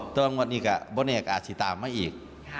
ตอนวันนี้ก็บรรณีอากาศติตามมาอีก